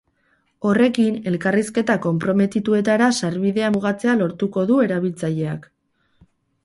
Horrekin, elkarrizketa konprometituetara sarbidea mugatzea lortuko du erabiltzaileak.